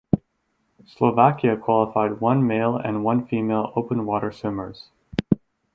Slovakia qualified one male and one female open water swimmers.